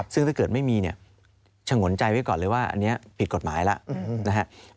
ซึ่งถ้าเกิดไม่มีฉงนใจไว้ก่อนเลยว่าอันนี้ผิดกฎหมายแล้ว